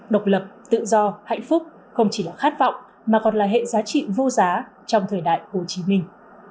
độc lập tự do hạnh phúc không chỉ là khát vọng mà còn là hệ giá trị vô giá trong thời đại hồ chí minh